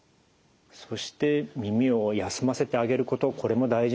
そして耳を休ませてあげることこれも大事なんですね。